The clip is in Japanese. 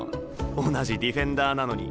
同じディフェンダーなのに。